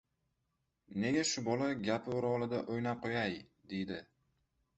— Nega shu bola gapi o‘rolida o‘ynab qo‘yay, deydi?